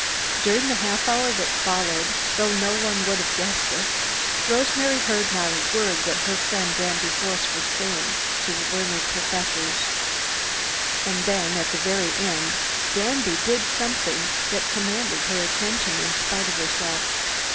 During the half hour that followed, though no one would have guessed it, Rosemary heard not a word that her good friend Danby Force was saying to the learned professors. And then, at the very end, Danby did something that commanded her attention in spite of herself.